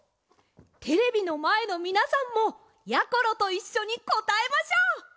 テレビのまえのみなさんもやころといっしょにこたえましょう。